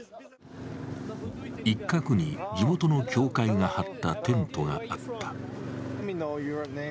一角に地元の教会が張ったテントがあった。